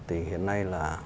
thì hiện nay là